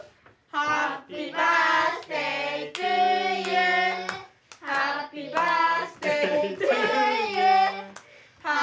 「ハッピーバースデートゥユー」「ハッピーバースデートゥユー」